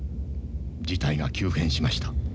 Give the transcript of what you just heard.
事態が急変しました。